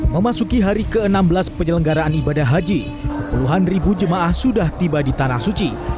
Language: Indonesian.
memasuki hari ke enam belas penyelenggaraan ibadah haji puluhan ribu jemaah sudah tiba di tanah suci